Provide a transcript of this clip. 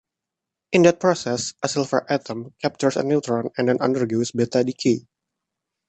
In that process, a silver atom captures a neutron and then undergoes beta decay.